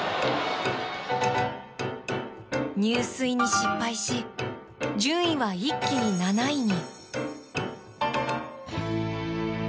入水に失敗し順位は一気に７位に。